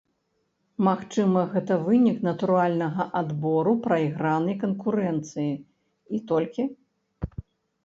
Магчыма, гэта вынік натуральнага адбору, прайгранай канкурэнцыі, і толькі?